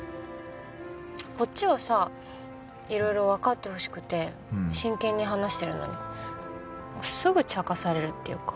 こっちはさいろいろわかってほしくて真剣に話してるのにすぐちゃかされるっていうか。